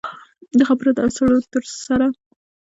د خبرو اترو سره د سولې ټینګښت د ټولو لپاره مهم دی.